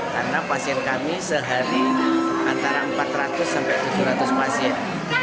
karena pasien kami sehari antara empat ratus sampai tujuh ratus pasien